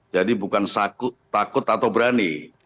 jadi bukan takut atau berani